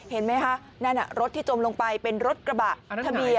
เห็นไหมคะนั่นรถที่จมลงไปเป็นรถกระบะทะเบียน